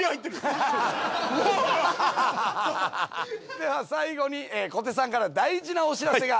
では最後に小手さんから大事なお知らせが。